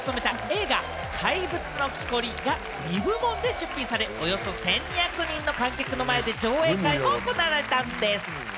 今回、亀梨さんが主演を務めた映画『怪物の木こり』が２部門で出品され、およそ１２００人の観客の前で上映会も行われたんでぃす。